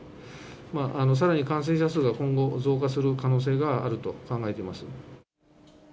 さらに感染者数が今後増加する可能性があると考えてます。